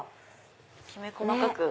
きめ細かく。